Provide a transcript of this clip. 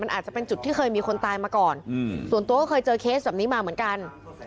อาจจะเป็นจุดที่เคยมีคนตายมาก่อนส่วนตัวก็เคยเจอเคสแบบนี้มาเหมือนกัน